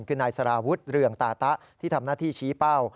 คือนายสารวุฒิเรืองตาตะที่ทำหน้าที่ชี้เป้า